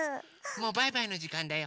もうバイバイのじかんだよ。